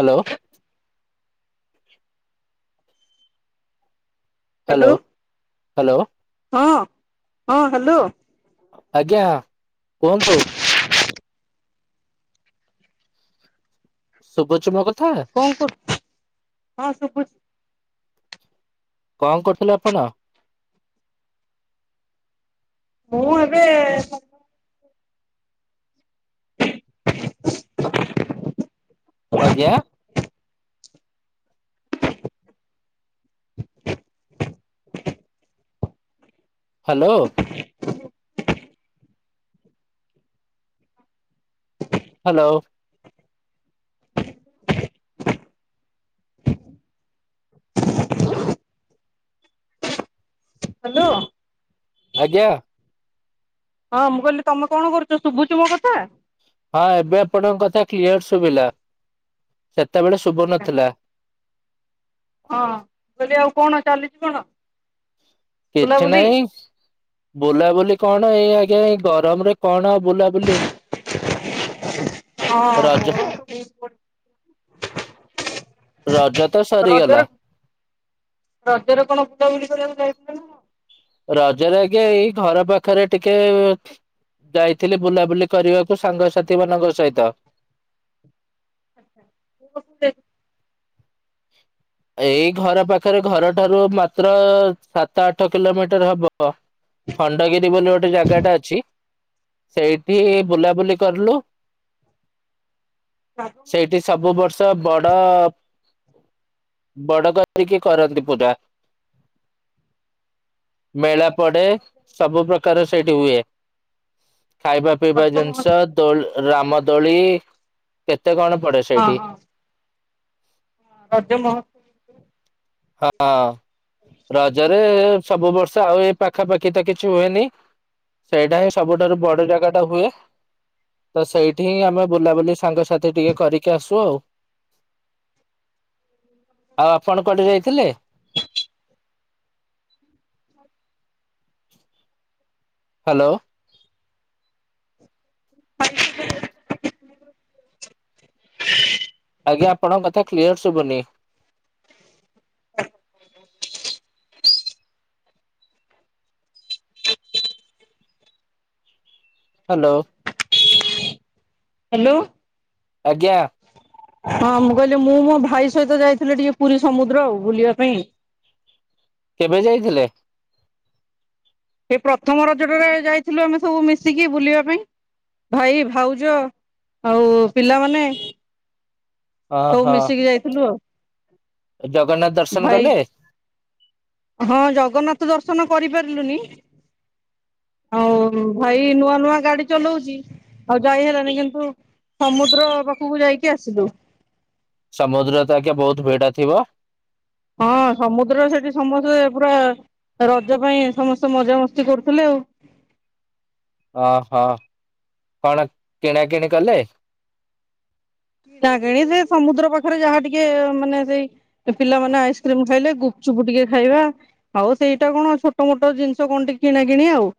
Hello. Hello hello. ହଁ ହଁ hello. ଆଜ୍ଞା କୁହନ୍ତୁ। ଶୁଭୁଛି ମୋ କଥା। ହଁ ଶୁଭୁଛି। କଣ କରୁଥିଲେ ଆପଣ? ମୁଁ ଏବେ ଆଜ୍ଞା। ହ୍ୟାଲୋ। ହ୍ୟାଲୋ। ହ୍ୟାଲୋ। ଆଜ୍ଞା। ହଁ ମୁଁ କହିଲି ତମେ କଣ କରୁଛ? ଶୁଭୁଛି ମୋ କଥା। ହଁ ଏବେ ଆପଣଙ୍କ କଥା କ୍ଲିୟର ଶୁଭିଲା ସେତେବେଳେ ଶୁଭ ନଥିଲା। ହଁ କହ ଆଉ କଣ ଚାଲିଛି କଣ? କିଛି ବୁଲାବୁଲି ନାହିଁ। ବୁଲାବୁଲି କଣ ଏଇ ଆଜ୍ଞା ଏ ଗରମ ରେ କଣ ଆଉ ବୁଲାବୁଲି। [unintelligible] ରଜ ହଁ [inaudible] ରଜ ତ ରଜରେ ସରିଗଲା। ରଜରେ କଣ ବୁଲାବୁଲି କରିବାକୁ ଯାଇଥିଲେ ନା କଣ? ରଜରେ ଆଜ୍ଞା ଏଇ ଘର ପାଖରେ ଟିକେ ଯାଇଥିଲି ବୁଲାବୁଲି କରିବାକୁ ସାଙ୍ଗସାଥି ମାନଙ୍କ ସହିତ [inaudible] ଏଇ ଘର ପାଖରେ ଘରଠାରୁ ମାତ୍ର ସାତ ଆଠ କିଲୋମିଟର ହବ। ଖଣ୍ଡଗିରି ବୋଲି ଗୋଟେ ଜାଗାଟା ଅଛି ସେଇଠି ବୁଲାବୁଲି କରଲୁ। ହଁ ସେଇଠି ସବୁ ବର୍ଷ ବଡ ବଡ କରିକି କରନ୍ତି ପୂଜା। ମେଳା ପଡେ ସବୁ ପ୍ରକାର ସେଇଠି ହୁଏ। ଖାଇବା ପିଇବା ରଜ ମହୋତ୍ସବ ଜିନିଷ ଦୋଳ ରାମ ଦୋଳି କେତେ କଣ ପଡେ। ହଁ ସେଇଠି ହଁ। ରଜ ମହ ହଁ ହଁ ରଜରେ ସବୁ ବର୍ଷ ଆଉ ଏ ପାଖାପାଖି ତ କିଛି ହୁଏନି ସେଇଟା ହିଁ ସବୁଠାରୁ ବଡ ଜାଗା ଟା ହୁଏ ତ ସେଇଠି ହିଁ ଆମେ ବୁଲାବୁଲି ସାଙ୍ଗସାଥି ଟିକେ କରିକି ଆସୁଅ ଆଉ। [unintelligible] ପଣ କୁଆଡେ ଯାଇଥିଲେ? [unintelligible] ହାଲୋ। [inaudible] ଆଜ୍ଞା ଆପଣଙ୍କ କଥା କ୍ଲିୟର୍ ଶୁଭନି। [inaudible] ହାଲୋ। ହାଲୋ। ଆଜ୍ଞା। ହଁ ମୁଁ କହିଲି ମୁଁ ମୋ ଭାଇ ସହିତ ଯାଇଥିଲି ଟିକେ ପୁରୀ ସମୁଦ୍ର ଆଉ ବୁଲିବା ପାଇଁ। କେବେ ଯାଇଥିଲେ? ସେ ପ୍ରଥମ ରଜଟାରେ ଯାଇଥିଲୁ ଆମେ ସବୁ ମିଶିକି ବୁଲିବା ପାଇଁ। ଭାଇ ଭାଉଜ ଆଉ ପିଲାମାନେ। ହଉ ମିଶିକି ଯାଇଥିଲୁ ଆଉ। ଏ ଜଗନ୍ନାଥ ଦର୍ଶନ ଭାଇ କଲେ? ହଁ ଜଗନ୍ନାଥ ଦର୍ଶନ କରିପାରିଲୁନି। ଆଉ ଭାଇ ନୂଆ ନୂଆ ଗାଡି ଚଲଉଚି। ଆଉ ଯାଇ ହେଲାନି କିନ୍ତୁ ସମୁଦ୍ର ପାଖୁକୁ ଯାଇକି ଆସିଲୁ। ସମୁଦ୍ର ତ ଆଜ୍ଞା ବହୁତ୍ ଭିଡ ଥିବ? ହଁ ସମୁଦ୍ର ସେଠି ସମସ୍ତେ ପୁରା। ରଜ ପାଇଁ ସମସ୍ତେ ମଜାମସ୍ତି କରୁଥିଲେ ଆଉ। ଅହ କଣ କିଣା କିିଣି କଲେ? କିଣା କିଣି ସେ ସମୁଦ୍ର ପାଖରେ ଯାହା ଟିକେ ମାନେ ସେଇ। ପିଲାମାନେ ଆଇସ୍କ୍ରିମ୍ ଖାଇଲେ ଗୁପ୍ଚୁପ୍ ଟିକେ ଖାଇବା। ଆଉ ସେଇଟା କଣ ଛୋଟ ମୋଟ ଜିନିଷ କଣ ଟିକେ କିଣା କିଣି ଆଉ।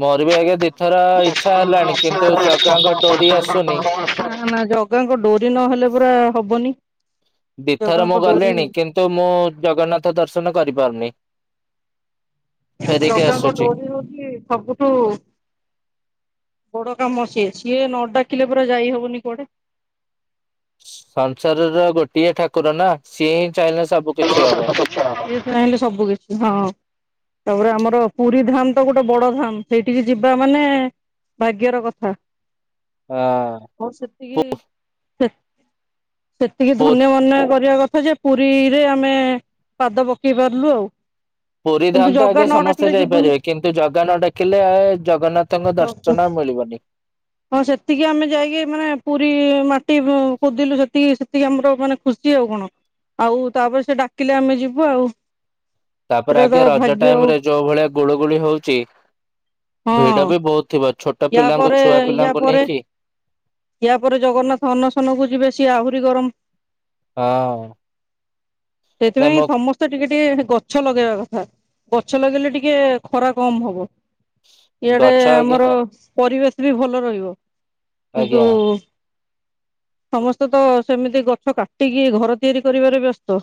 ମୋର ବି ଆଜ୍ଞା ଦିଥର ଇଚ୍ଛା ହେଲାଣି କିନ୍ତୁ ଜଗାଙ୍କ ଡୋରି ଆସୁନି। ନା ନା ଜଗାଙ୍କ ଡୋରି ନହେଲେ ପରା ହବନି। ଦି ଥର ଜଗାଙ୍କ ମୁଁ ଡୋରି ଗଲିଣି କିନ୍ତୁ ମୁଁ ଜଗନ୍ନାଥ ଦର୍ଶନ କରିପାରୁନି। ଫେରିକି ଜଗାଙ୍କ ଆସୁଛି। ଡୋରି ହୋଉଛି ସବୁ ଠୁ ବଡ କାମ ସିଏ ସିଏ ନ ଡାକିଲେ ପରା ଯାଇ ହବନି କୁଆଡେ। ସଂସାରର ଗୋଟିଏ ଠାକୁର ନା ସିଏ ହିଁ ଚାହିଁଲେ ସ ସିଏ ଚାହିଁଲେ ସବୁ କିଛି ହଁ। ତାପରେ ଆମର ପୁରୀ ଧାମ୍ ତ ଗୋଟେ ବଡ ଧାମ୍ ସେଇଠିକି ଯିବା ମାନେ। ଭାଗ୍ୟର କଥା। ଆ। ମୋର ସେତିକି ସେ ସେତିକି ହଁ ଧନ୍ୟ ମନେ କରିବା କଥା ଯେ ପୁରୀ। ରେ ଆମେ ପାଦ ପକେଇ ପାରିଲୁ ଆଉ। ପୁରୀ କିନ୍ତୁ ଧାମ୍ ତ ଜଗା ଆଜ୍ଞା ନ ସମସ୍ତେ ଡାକିଲେ ଯିବୁନି ଯାଇପାରିବେ। କିନ୍ତୁ ଜଗା ନ ଡାକିଲେ ଆଉ ଜଗନ୍ନାଥଙ୍କ ଦର୍ଶନ ଆଉ ମିଳିବନି। ହଁ ସେତିକି ଆମେ ଯାଇକି ମାନେ ପୁରୀ ମାଟି କୋଦିଲୁ ସେତିକି ସେତିକି ଆମର ମାନେ ଖୁସି ଆଉ କଣ। ଆଉ ତାପରେ ସେ ଡାକିଲେ ଆମେ ଯିବୁ ଆଉ ତାପରେ ସେଟା ଆଜ୍ଞା ତ ରଜ ଭାଗ୍ୟ ଓ। ଟାଇମ ରେ ଯୋଉ ଭଳିଆ ଗୁଳୁ ଗୁଳି ହଉଛି। ହଁ ଭିଡ ବି ବହୁତ୍ ଥିବ ଛୋଟ ୟା ପିଲାଙ୍କୁ ପରେ ଛୁଆ ୟା ପିଲାଙ୍କୁ ପରେ ନେଇକି। ୟା ପରେ ଜଗନ୍ନାଥ ଅନ୍ନଶନକୁ ଯିବେ ସିଏ ଆହୁରି ଗରମ। ହଁ। ନା ତେଥିପାଇଁ ମୋ ସମ ତ ଟିକେ ଟିକେ ଗଛ ଲଗେଇବା କଥା ଗଛ ଲଗେଇଲେ ଟିକେ ଖରା କମ୍ ହବ। ଇଆଡେ ଗଛ ଆଜ୍ଞା ଆମର ପରିବେଶ ବି ଭଲ ରହିବ। ଆଜ୍ଞା କିନ୍ତୁ ଉଁ ସମସ୍ତେ ତ ସେମିତି ଗଛ କାଟିକି ଘର ତିଆରି କରିବାରେ ବ୍ୟସ୍ତ।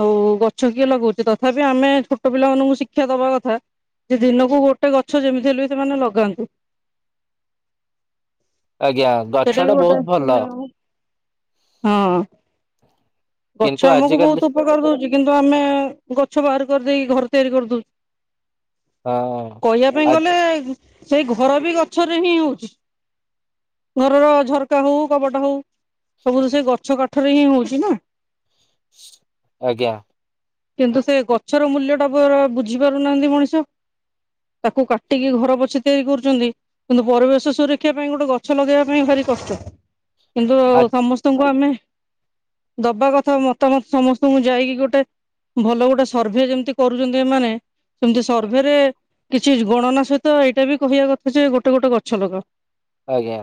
ଆଉ ଗଛ କିଏ ଲଗଉଚି ତଥାପି ଆମେ ଛୋଟ ପିଲାମାନାନଙ୍କୁ ଶିକ୍ଷା ଦବା କଥା। ଯେ ଦିନକୁ ଗୋଟେ ଗଛ ଯେମିତି ହେଲେ ବି ସେମାନେ ଲଗାନ୍ତୁ। ଆଜ୍ଞା ସେଟା ଗଛ ବି ଟା ବହୁତ ଗୋଟେ ଭଲ ପୂନେ ହୁଁ ହଁ। ଆଛା କିନ୍ତୁ ଆମକୁ ଆଜିକାଲି ବହୁତୁ ଉପକାର ଦଉଚି କିନ୍ତୁ ଆମେ ଗଛ ବାହାର କରିଦେଇକି ଘର ତିଆରି କରିଦଉ। ହଁ କହିବା ପାଇଁ ଆ ଗଲେ ସେଇ ଘର ବି ଗଛରେ ହିଁ ହଉଚି। ଘରର ଝରକା ହଉ କବାଟ ହଉ ସବୁ ସେ ଗଛ କାଠରେ ହିଁ ହଉଚି ନା। ଆଜ୍ଞା। କିନ୍ତୁ ସେ ଗଛର ମୂଲ୍ୟ ଟା ପୁରା ବୁଝି ପାରୁନାହାନ୍ତି ମଣିଷ। ତାକୁ କାଟିକି ଘର ପଛେକେ ତିଆରି କରୁଚନ୍ତି। କିନ୍ତୁ ପରିବେଶ ସୁରକ୍ଷା ପାଇଁ ଗୋଟେ ଗଛ ଲଗେଇବା ପାଇଁ ଭାରି କଷ୍ଟ। କିନ୍ତୁ ଆ ଆଉ ସମସ୍ତଙ୍କୁ ଆମେ ଦବା କଥା ମତାମତ ସମସ୍ତଙ୍କୁ ଯାଇକି ଗୋଟେ ଭଲ ଗୋଟେ ସର୍ଭେ ଯେମିତି କରୁଚନ୍ତି ଏମାନେ ସେମିତି ସର୍ଭେରେ କିଛି ଗଣନା ସହିତ ଏଇଟା ବି କହିବା କଥା ଯେ ଗୋଟେ ଗୋଟେ ଗଛ ଲଗାଅ। ଆଜ୍ଞା।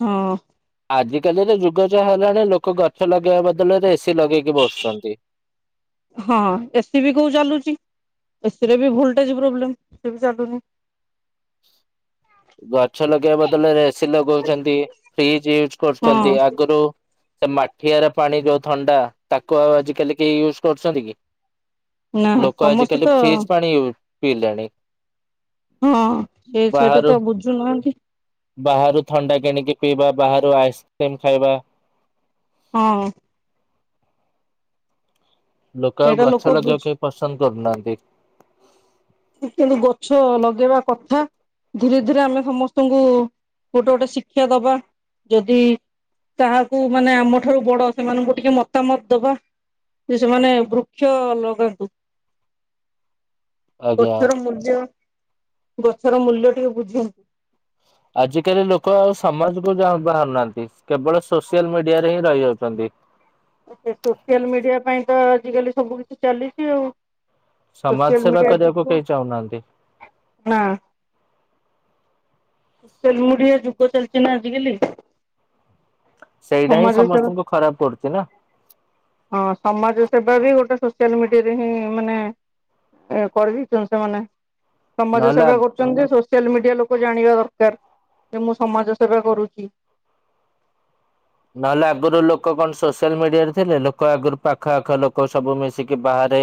ହଁ। ଆଜିକାଲିରେ ଯୁଗ ଯାହା ହେଲାଣି ଲୋକ ଗଛ ଲଗେଇବା ବଦଳରେ ଏସି ଲଗେଇକି ବସୁଛନ୍ତି। ହଁ ଏସିି ବି କୋଉ ଚାଲୁଚି। ଏସିରେ ବି ଭୋଲଟେଜେ ପ୍ରୋବ୍ଲେମ୍ ସେ ବି ଚାଲୁନି। ଗଛ ଲଗେଇବା ବଦଳରେ ଏସି ଲଗଉଛନ୍ତି ଫ୍ରିଜ ୟୁଜ୍ ହଁ କରୁଛନ୍ତି ଆଗରୁ ସେ ମାଠିଆର ପାଣି ଯୋଉ ଥଣ୍ଡା ତାକୁ ଆଉ ଆଜିିକାଲି କେହି ୟୁଜ୍ କରୁଛନ୍ତି କି? ନା ଲୋକ ସମସ୍ତେ ଆଜିକାଲି ତ ଫ୍ରିଜ ପାଣି ୟୁ ପିଇଲେଣି। ହଁ ସେ ସେଇଟା ବାହାରୁ ତ ବୁଝୁନାହାନ୍ତି। ବାହାରୁ ଥଣ୍ଡା କିଣିକି ପିଇବା ବାହାରୁ ଆଇସ୍କ୍ରିମ ଖାଇବା ହଁ। ଲୋକ ଆଉ ସେଇଟା ଗଛ ବୁଝୁ ଲଗେଇବାକୁ ପାଇଁ ପସନ୍ଦ କରୁନାହାନ୍ତି। ଅଚୁଆଲ୍ୟ ଗଛ ଲଗେଇବା କଥା। ଧୀରେ ଧୀରେ ଆମେ ସମସ୍ତଙ୍କୁ ଗୋଟେ ଗୋଟେ ଶିକ୍ଷା ଦବା ଯଦି ତାହାକୁ ମାନେ ଆମଠାରୁ ବଡ ସେମାନଙ୍କୁ ଟିକେ ମତାମତ ଦବା। ହଁ ସେମାନେ ବୃକ୍ଷ ଲଗାନ୍ତୁ। ଆଜ୍ଞା ଗଛର ମୂଲ୍ୟ ଗଛର ମୂଲ୍ୟ ଟିକେ ବୁଝନ୍ତୁ। ଆଜିକାଲି ଲୋକ ଆଉ ସମାଜକୁ ଯା ବାହାରୁନାହାନ୍ତି କେବଳ ସୋସିଆଲ ମିଡିଆରେ ହିଁ ରହିଯାଉଛନ୍ତି। ସେ ସୋସିଆଲ ମିଡିଆ ପାଇଁ ତ ଆଜିକାଲି ସବୁ କିଛି ଚାଲିଛି ଆଉ। ସମାଜ ସେବା କରିବାକୁ କେହି ଚାହୁଁନାହାନ୍ତି। ନାଁ। [unintelligible] ଯୁଗ ଚାଲିଛି ନା ଆଜିକାଲି। ସେଇଟା ହିଁ ସମାଜ ସେବା ସମସ୍ତଙ୍କୁ ଖରାପ କରୁଛି ନା। ହଁ ସମାଜ ସେବା ବି ଗୋଟେ ସୋସିଆଲ ମିଡିଆରେ ହିଁ ମାନେ ଏ କରିବି [unintelligible] ସମାଜ ନହେଲେ ସେବା କରୁଛନ୍ତି ସୋସିଆଲ ମିଡିଆ ଲୋକ ଜାଣିବା ଦରକାର ଯେ ମୁଁ ସମାଜ ସେବା କରୁଛି। ନହେଲେ ଆଗରୁ ଲୋକ କଣ ସୋସିଆଲ ମିଡିଆରେ ଥିଲେ ଲୋକ ଆଗରୁ ପାଖ ଆଖ ଲୋକ ସବୁ ମିଶିକି ବାହାରେ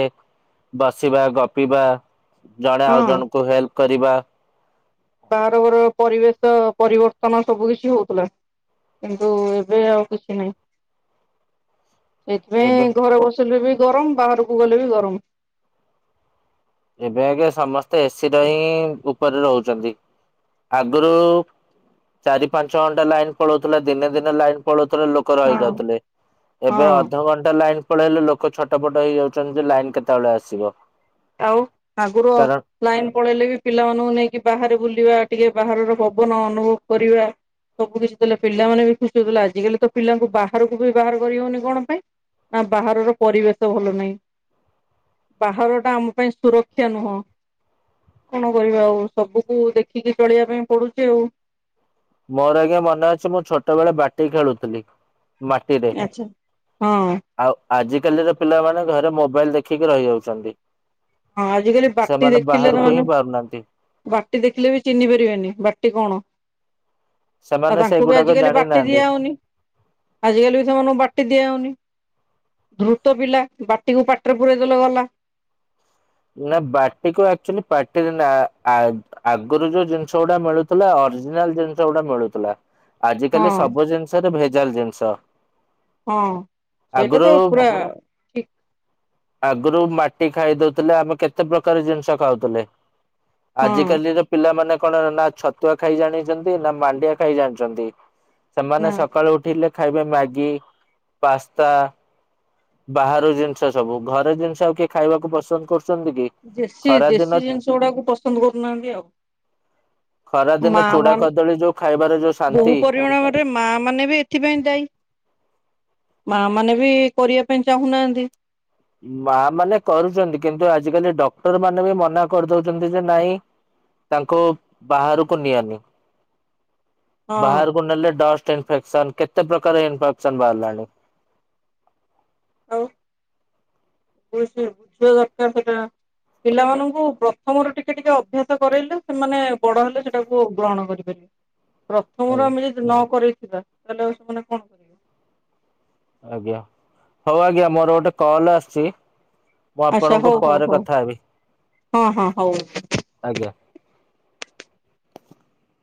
ବସିବା ଗପିବା ଜଣେ ଆଉ ହଁ ଜଣଙ୍କୁ ହେଲ୍ପ କରିବା। ବାହାରଘର ପରିବେଶ ପରିବର୍ତ୍ତନ ସବୁ କିଛି ହଉଥିଲା କିନ୍ତୁ ଏବେ ଆଉ କିଛି ନାହିଁ। ଏବେ ସେଇଥିପାଇଁ ଘରେ ବସିଲେ ବି ଗରମ ବାହାରକୁ ଗଲେ ବି ଗରମ। ଏବେ ଆ ସମସ୍ତେ ଏସି ର ହିଁ ଉପରେ ରହୁଛନ୍ତି। ଆଗରୁ ଚାରି ପାଞ୍ଚ ଘଣ୍ଟା ଲାଇନ ପଳଉଥିଲା ଦିନେ ଦିନେ ଲାଇନ୍ ପଳଉଥିଲା ଲୋକ ହଁ। ରଯାଉଥିଲେ ଏବେ ହଁ ଅଧଘଣ୍ଟା ଲାଇନ୍ ବେଳେ ହେଲେ ଲୋକ ଛଟପଟ ହେଇଯାଉଛନ୍ତି ଯେ ଲାଇନ କେତେବେଳେ ଆସିବ। ଆଉ [unintelligible] କାରଣ ଲାଇନ ପଳେଇଲେ ବି ପିଲାମାନଙ୍କୁ ନେଇକି ବାହାରେ ବୁଲିବା। ଟିକେ ବାହାରର ପବନ ଅନୁଭବ କରିବା। ସବୁ କିଛି ଥିଲା ପିଲାମାନେ ବି ଖୁସି ହଉଥିଲା ଆଜିକାଲି ତ ପିଲାଙ୍କୁ ବାହାରକୁ ବି ବାହାର କରିହଉନି କଣ ପାଇଁ। ନା ବାହାରର ପରିବେଶ ଭଲ ନାହିଁ। ବାହାର ଆମ ପାଇଁ ସୁରକ୍ଷା ନୁହଁ। କଣ କରିବା ଆଉ ସବୁକୁ ଦେଖିକି ଚଳିବା ପାଇଁ ପଡୁଛି ଆଉ। ମୋର ଆଜ୍ଞା ମନେ ଅଛି ମୁଁ ଛୋଟ ବେଳେ ବାଟି ଖେଳୁଥିଲି। ମାଟିରେ। ଆଚ୍ଛା ହଁ। ଆଉ ଆଜିକାଲିର ପିଲାମାନେ ଘରେ ମୋବାଇଲ ଦେଖିକି ରହିଯାଉଛନ୍ତି। ହଁ ଆଜିକାଲି ବାଟି ସେମାନେ ଦେଖିଲେ ବାହାରକୁ ହିଁ ସେମାନେ ପାରୁନାହାନ୍ତି ବାଟି ଦେଖିଲେ ବି ଚିହ୍ନି ପାରିବେନି ବାଟି କଣ? ଆଉ ସେମାନେ ତାଙ୍କୁ ବି ସେଗୁଡାକ ଆଜିକାଲି ବାଟି ଜାଣିନାହାନ୍ତି ଦିଆହଉନି ଆଜିକାଲି ବି ସେମାନଙ୍କୁ ବାଟି ଦିଆହଉନି। ଦ୍ରୁତ ପିଲା ବାଟିକୁ ପାଟିରେ ପୁରଇଦଲେ ଗଲା। ନା ବାଟିକୁ ଆଚୁଆଲି ପାଟି ନା ଆଗରୁ ଯୋଉ ଜିନିଷ ଗୁଡା ମିଳୁଥିଲା ଅରିଜିନାଲ ଜିନିଷ ଗୁଡା ମିଳୁଥିଲା। ଆଜ ହଁ କାଲି ସବୁ ଜିନିଷରେ ଭେଜାଲ ଜିନିଷ। ହଁ ସେଇଟା ଆଗରୁ ତ ପୁରା ଠିକ ଆଗରୁ ମାଟି ଖାଇ ଦଉଥିଲେ ଆମେ କେତେ ପ୍ରକାର ଜିନିଷ ଖାଉଥିଲେ। ହଁ ଆଜିକାଲିର ପିଲାମାନେ କଣ ନା ଛତୁଆ ଖାଇ ଜାଣିଛନ୍ତି ନା ମାଣ୍ଡିଆ ଖାଇ ଜାଣିଛନ୍ତି। ସେମାନେ ନା ସକାଳୁ ଉଠିଲେ ଖାଇବେ ମ୍ୟାଗି ପାସ୍ତା। ବାହାର ଜିନିଷ ସବୁ। ଘରେ ଜିନିଷ ଆଉ କିଏ ଖାଇବାକୁ ପସନ୍ଦ କରୁଛନ୍ତି କି? ଦେଶୀ ଖରା ଦିନ ଦେଶୀ ଜିନିଷ ଗୁଡାକୁ ପସନ୍ଦ କରୁନାହାନ୍ତି ଆଉ। ଖରା ଦିନେ ମା ଚୁଡା ମାନ କଦଳୀ ଯୋଉ ଖାଇବାରେ ଯୋଉ ଶାନ୍ତି। ରେ ମା ମାନେ ବି ଏଥିପାଇଁ ଦାୟି। ମା ମାନେ ବି କରିବା ପାଇଁ ଚାହୁଁନାହାନ୍ତି। ମା ମାନେ କରୁଛନ୍ତି କିନ୍ତୁ ଆଜିକାଲି ଡକ୍ଟର ମାନେ ବି ମନା କରିଦଉଛନ୍ତି ଯେ ନାଇଁ ତାଙ୍କୁ ବାହାରକୁ ନିଅନି। ହଁ ବାହାରକୁ ନେଲେ ଡଷ୍ଟ ଇନଫେକ୍ସନ କେତେ ପ୍ରକାର ଇନଫେକ୍ସନ ବାହାରିଲାଣି। ଆଉ ବ ବୁଝିବା ଦରକାର ସେଟା। ପିଲାମାନଙ୍କୁ ପ୍ରଥମ ରୁ ଟିକେ ଟିକେ ଅଭ୍ୟାସ କରାଇଲେ ସେମାନେ ବଡ ହେଲେ ସେଟାକୁ ଗ୍ରହଣ କରିପାରିବେ। ପ୍ରଥମରୁ ଆଜ୍ଞା ଆମେ ଯଦି ନ କରିଥିବା ତାହେଲେ ଆ ସେମାନେ କଣ କର ଆଜ୍ଞା ହଉ ଆଜ୍ଞା ମୋର ଗୋଟେ କଲ ଆସିଛି ମୁଁ ଆଚ୍ଛା ଆପଣଙ୍କୁ ହଉ ହଉ ପରେ ହଉ କଥା ହେବି। ହଁ ହଁ ହଉ। ଆଜ୍ଞା।